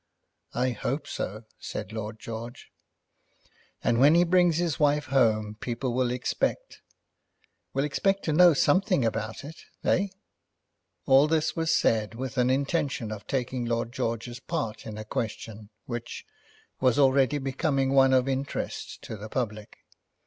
"I hope so," said Lord George. "And when he brings his wife home people will expect, will expect to know something about it; eh?" All this was said with an intention of taking Lord George's part in a question which was already becoming one of interest to the public.